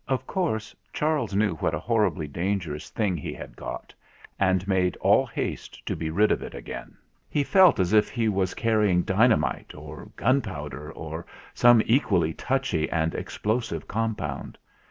Of course, Charles knew what a horribly dangerous thing he had got, and made all haste to be rid of it again. He felt as if he was carrying dynamite, or gunpowder, or some equally touchy and explosive compound.